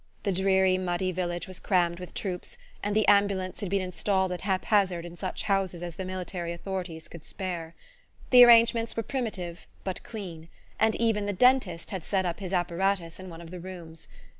The dreary muddy village was crammed with troops, and the ambulance had been installed at haphazard in such houses as the military authorities could spare. The arrangements were primitive but clean, and even the dentist had set up his apparatus in one of the rooms.